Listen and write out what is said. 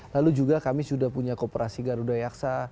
lalu juga kami sudah punya kooperasi garuda yaksa